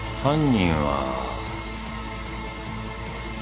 犯人は。